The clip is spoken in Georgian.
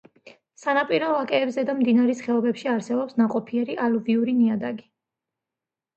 სანაპირო ვაკეებზე და მდინარეს ხეობებში არსებობს ნაყოფიერი ალუვიური ნიადაგი.